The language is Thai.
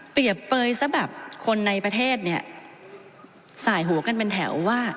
เปรียบเบยซะแบบคนในประเทศสายหัวกันเป็นแถวว่า